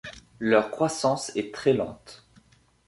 Leur croissance est très lente.